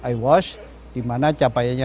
iwash dimana capainya